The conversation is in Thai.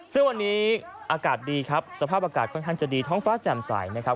ซึ่งวันนี้อากาศดีครับสภาพอากาศค่อนข้างจะดีท้องฟ้าแจ่มใสนะครับ